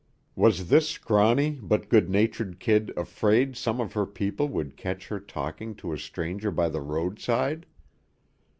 Was this scrawny but good natured kid afraid some of her people would catch her talking to a stranger by the roadside?